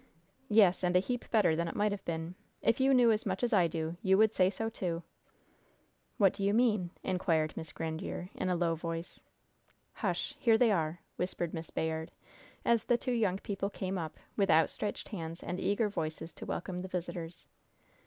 "Yes, and a heap better than it might have been. If you knew as much as I do, you would say so, too!" "What do you mean?" inquired Miss Grandiere, in a low voice. "Hush! Here they are!" whispered Miss Bayard, as the two young people came up, with outstretched hands and eager voices, to welcome the visitors.